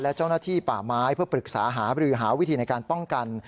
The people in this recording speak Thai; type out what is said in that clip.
และเจ้าหน้าที่ป่าไม้เพื่อปรึกษาหาบรือหาวิธีในการป้องกัน